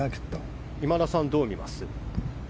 今田さん、どう見ますか？